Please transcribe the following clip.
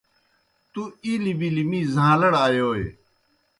تُوْ اِلیْ بِلیْ می زھاݩلڑ آیوئے۔